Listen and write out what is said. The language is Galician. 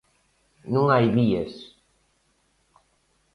Non hai vías.